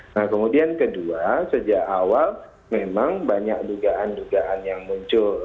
nah kemudian kedua sejak awal memang banyak dugaan dugaan yang muncul